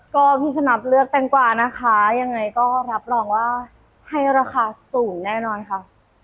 ก็พี่สนับเลือกแตงกวานะคะยังไงก็รับรองว่าให้ราคาสูงแน่นอนค่ะ